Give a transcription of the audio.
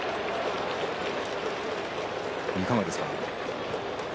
いかがですか？